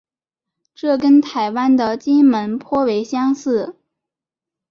这跟台湾的金门颇为相似。